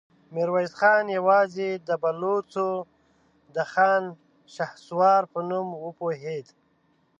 ميرويس خان يواځې د بلوڅو د خان شهسوار په نوم وپوهېد.